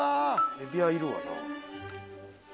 エビはいるわな。